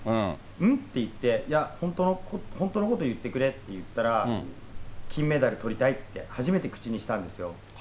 ん？って言って、いや、本当のこと言ってくれって言ったら、金メダルとりたいって、初めて口にしたんですよ。